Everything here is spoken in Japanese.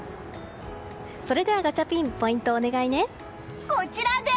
それでは、ガチャピンポイントをお願いね。